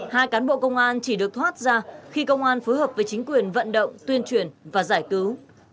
hai cán bộ công an chỉ được thoát ra khi công an phối hợp với chính quyền vận động tuyên truyền và giải cứu